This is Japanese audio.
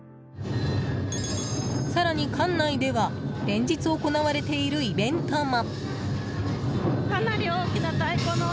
更に、館内では連日行われているイベントも。